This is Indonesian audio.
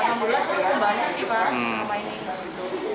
karena kan bulan puasa ini semua semua serba naik